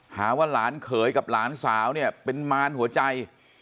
หาว่าหลานเขยกับหลานสาวเนี่ยเป็นมารหัวใจ